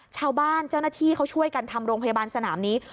ชาวบ้านเจ้าหน้าที่เขาช่วยกันทำโรงพยาบาลสนามนี้